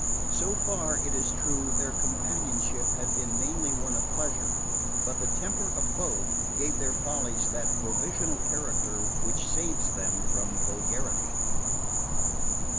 So far, it is true, their companionship had been mainly one of pleasure; but the temper of both gave their follies that provisional character which saves them from vulgarity.